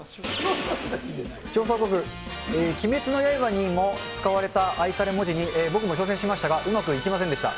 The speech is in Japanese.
調査報告、鬼滅の刃にも使われた愛され文字に僕も挑戦しましたが、うまくいきませんでした。